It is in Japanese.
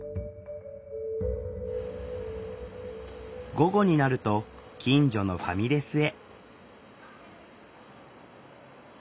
午後になると近所のファミレスへ。